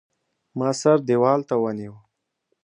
ما سره دېوال ته ونیو.